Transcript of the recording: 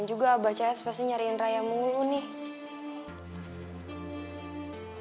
kan juga abah cahet pasti nyariin raya mulu nih